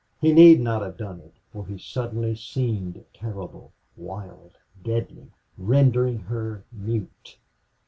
He need not have done it, for he suddenly seemed terrible, wild, deadly, rendering her mute.